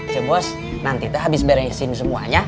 cu bos nanti tuh habis beresin semuanya